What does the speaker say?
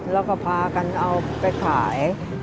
แล้วก็พากันเอาไปขาย